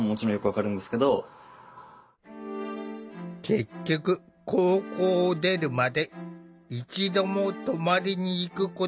結局高校を出るまで一度も泊まりに行くことはできなかった。